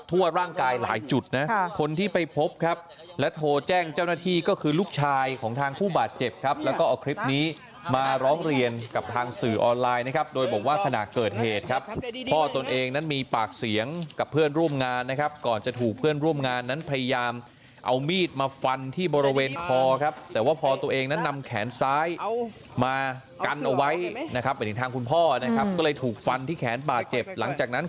ทั่วร่างกายหลายจุดนะคนที่ไปพบครับและโทรแจ้งเจ้าหน้าที่ก็คือลูกชายของทางผู้บาดเจ็บครับแล้วก็เอาคลิปนี้มาร้องเรียนกับทางสื่อออนไลน์นะครับโดยบอกว่าขณะเกิดเหตุครับพ่อตัวเองนั้นมีปากเสียงกับเพื่อนร่วมงานนะครับก่อนจะถูกเพื่อนร่วมงานนั้นพยายามเอามีดมาฟันที่บริเวณคอครับแต่ว่าพอตัวเองนั้